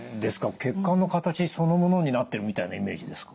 血管の形そのものになってるみたいなイメージですか。